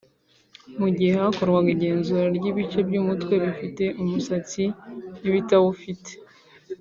Mu gihe hakorwaga igenzura ry’ibice by’umutwe bifite umusatsi n’ibitawufite